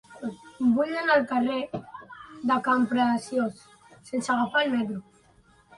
Vull anar al carrer de Campreciós sense agafar el metro.